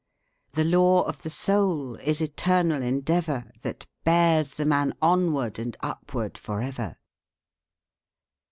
"The law of the soul is eternal endeavor, That bears the man onward and upward forever."